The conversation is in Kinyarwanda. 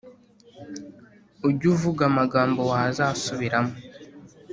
Ujyuvuga amagambo wazasubiramo